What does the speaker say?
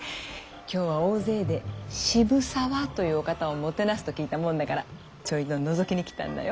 今日は大勢で渋沢というお方をもてなすと聞いたもんだからちょいとのぞきに来たんだよ。